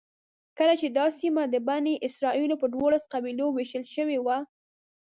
کله چې دا سیمه د بني اسرایلو په دولسو قبیلو وېشل شوې وه.